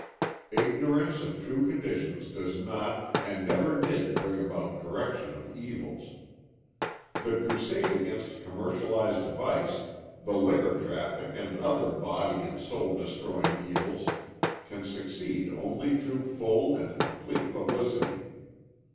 Ignorance of true conditions does not, and never did bring about correction of evils. The crusade against commercialized vice, the liquor traffic and other body and soul destroying evils can succeed only through full and complete publicity.